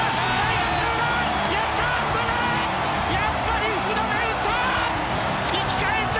やっぱり福留、打った！